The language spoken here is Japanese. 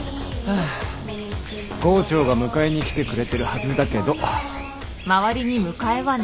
郷長が迎えに来てくれてるはずだけど。